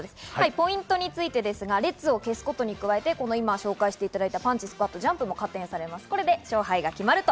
ポイントについてですが、列を消すことに加えて、今紹介していただいた、パンチ、スクワット、ジャンプも加点されます。